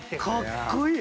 かっこいい！